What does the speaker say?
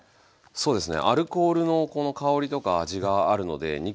そうですか。